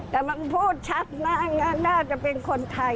แต่มันพูดชัดมากน่าจะเป็นคนไทย